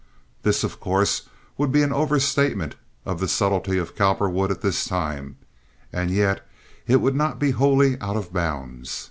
This, of course, would be an overstatement of the subtlety of Cowperwood at this time, and yet it would not be wholly out of bounds.